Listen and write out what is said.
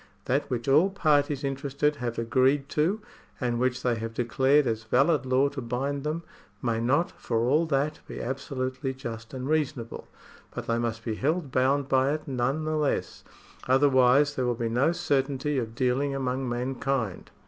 That which all parties interested have agreed to, and which they have declared as valid law to bind them, may not, for all that, be absolutely just and reasonable ; but they must be held bound by it none § 4GJ THE SOURCES OF LAW 123 the less, otherwise there will be no certainty of dealing among mankind.